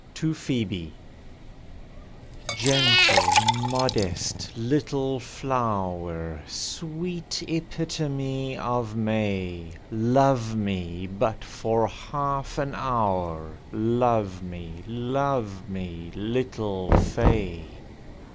TO PHŒBE "GENTLE, modest little flower, Sweet epitome of May, Love me but for half an hour, Love me, love me, little fay."